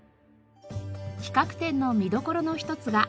企画展の見どころの一つがこちら。